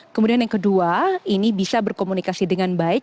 kemudian yang kedua ini bisa berkomunikasi dengan baik